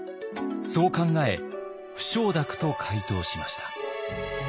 そう考え不承諾と回答しました。